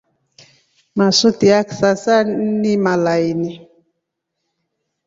Masuti ya kisasa ni malairii.